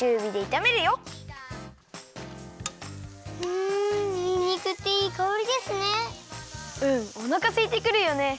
うんおなかすいてくるよね。